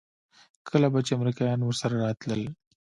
کله به چې امريکايان ورسره راتلل.